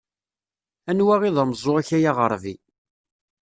Anwa i d ameẓẓuɣ-ik ay aɣerbi.